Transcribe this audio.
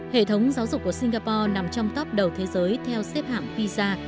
hệ thống giáo dục của singapore nằm trong top đầu thế giới theo xếp hạng pizza